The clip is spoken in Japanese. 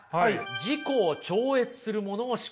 「自己を超越するものを思考する」。